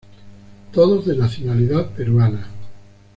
Todos de nacionalidad peruana.